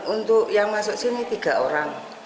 untuk yang masuk sini tiga orang